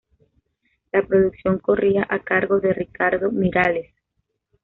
La producción corría a cargo de Ricardo Miralles.